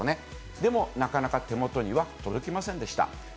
でも、なかなか手元には届きませんでした。